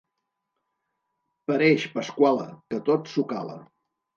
Pareix Pasquala, que tot s'ho cala.